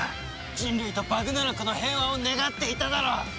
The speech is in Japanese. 人類とバグナラクの平和を願っていただろう！